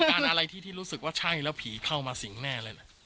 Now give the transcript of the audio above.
อาการอะไรที่รู้สึกว่าช้างอีกแล้วผีเข้ามาสิงแน่เลยนะ